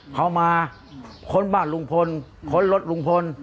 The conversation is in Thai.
เขามาค้นบ้านลุงพลค้นรถลุงพล